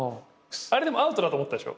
でもアウトだと思ったでしょ？